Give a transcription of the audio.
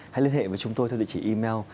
hãy liên hệ với chúng tôi theo địa chỉ email